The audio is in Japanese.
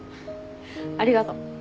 ありがとう。